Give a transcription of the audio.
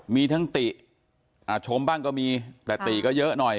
มีทั้งติชมบ้างก็มีแต่ติก็เยอะหน่อย